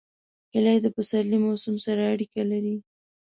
هیلۍ د پسرلي موسم سره اړیکه لري